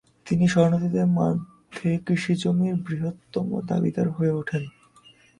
তিনি শরণার্থীদের মধ্যে কৃষিজমির বৃহত্তম দাবিদার হয়ে ওঠেন।